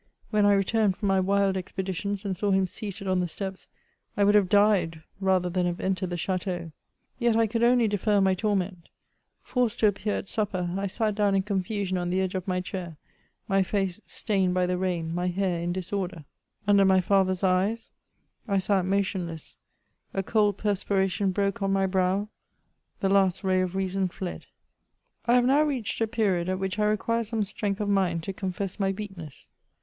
When I returned from my wild expeditions, and saw him seated on the steps, I ^ould have died rather than have entered the chateau. Yet I could only defer my torment; forced to appear at supper, I sat down in confusion on the edge of my chair, my faced stained by the rain, my hair in disorder. Under my .^ CHATEAUBRIAND. 141 father's eyes, I sat motionless, a cold perspiration broke on my brow ; the last ray of reason fled. I have now reached a period at which I require some strength of mind to confess my weakness.